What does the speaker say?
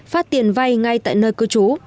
phát tiền vay ngay tại nơi cư trú